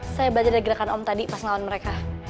saya belajar dari gerakan om tadi pas ngawan mereka